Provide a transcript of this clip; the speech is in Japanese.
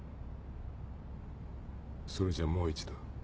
それじゃもう一度。